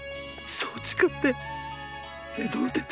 そう誓って江戸を出た。